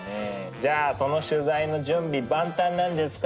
じゃあその取材の準備万端なんですか？